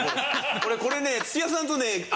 俺これね土屋さんとね。